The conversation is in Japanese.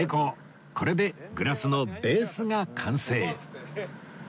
これでグラスのベースが完成